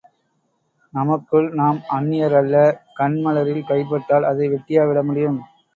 நமக்குள் நாம் அந்நியர் அல்ல கண் மலரில் கைபட்டால் அதை வெட்டியா விட முடியும்?